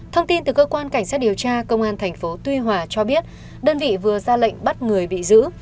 thông tin từ cơ quan cảnh sát điều tra công an tp tuy hòa cho biết đơn vị vừa ra lệnh bắt người bị giữ